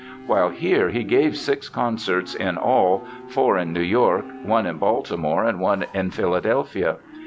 While here he gave six concerts in all, four in New York, one in Baltimore and one in Philadelphia.